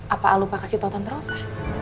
apa lupa kasih tau tante rosa